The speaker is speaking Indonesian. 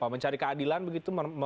mencari keadilan begitu